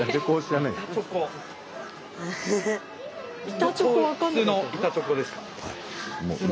板チョコ普通の板チョコですか？